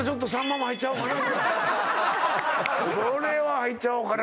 それは入っちゃおうかな